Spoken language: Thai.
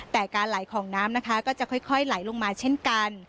แต่การไหลของน้ำนะคะก็จะค่อยไหลลงมาเช่นกัน